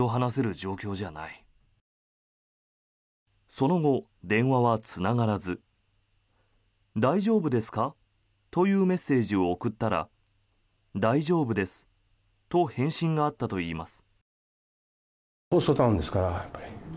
その後、電話はつながらず大丈夫ですか？というメッセージを送ったら大丈夫ですと返信があったといいます。